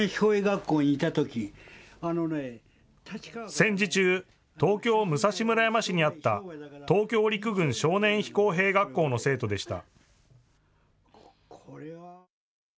戦時中、東京・武蔵村山市にあった東京陸軍少年飛行兵学校の生徒でした。